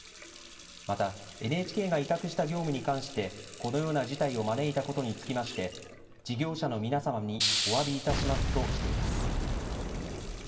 またＮＨＫが委託した業務に関してこのような事態を招いたことにつきまして、事業者の皆様におわびいたしますとしています。